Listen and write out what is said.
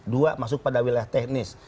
dua masuk pada wilayah teknis